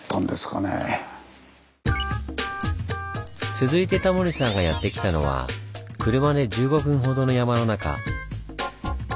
続いてタモリさんがやって来たのは車で１５分ほどの山の中。